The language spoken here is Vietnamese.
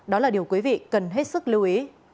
đó là điều quý vị cần hết sức lưu ý